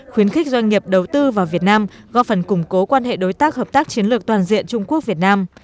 khuyến khích doanh nghiệp đầu tư vào việt nam góp phần củng cố quan hệ đối tác hợp tác chiến lược toàn diện trung quốc việt nam